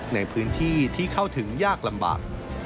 ในพื้นที่ที่เข้าถึงยากลำบาก